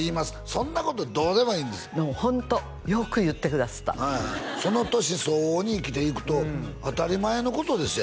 そんなことどうでもいいんですでもホントよく言ってくださったその年相応に生きていくと当たり前のことですよ